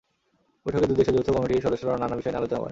বৈঠকে দুই দেশের যৌথ কমিটির সদস্যরা নানা বিষয় নিয়ে আলোচনা করেন।